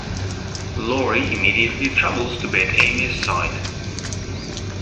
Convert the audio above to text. Laurie immediately travels to be at Amy's side.